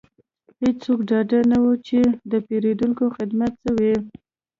هیڅوک ډاډه نه وو چې د پیرودونکو خدمت څه دی